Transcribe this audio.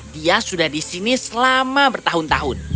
dia sudah di sini selama bertahun tahun